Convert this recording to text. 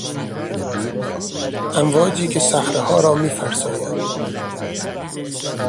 امواجی که صخرهها را میفرساید